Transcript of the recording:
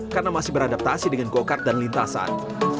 karena masih beradaptasi dengan go kart dan lintasan